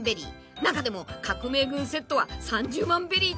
［中でも革命軍セットは３０万ベリーと高得点］